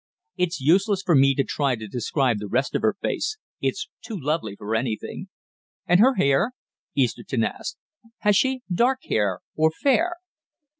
It's useless for me to try to describe the rest of her face; it's too lovely for anything." "And her hair?" Easterton asked. "Has she dark hair or fair?"